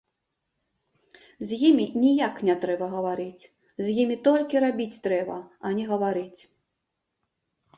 З імі ніяк не трэба гаварыць, з імі толькі рабіць трэба, а не гаварыць.